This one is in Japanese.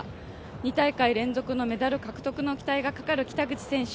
２大会連続のメダル獲得の期待がかかる北口選手。